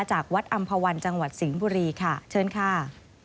จากวัดอำภาวันจังหวัดสิงห์บุรีค่ะเชิญค่ะ